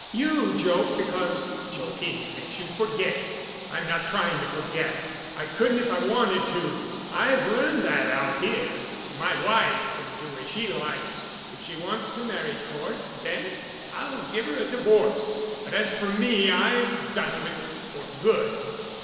You joke because joking makes you forget. I'm not trying to forget. I couldn't if I wanted to. I've learned that out here. My wife can do as she likes. If she wants to marry Cort Bent I'll give her a divorce, but as for me, I've done with it—for good."